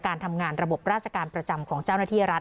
การทำงานระบบราชการประจำของเจ้าหน้าที่รัฐ